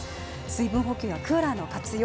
水分補給やクーラーの活用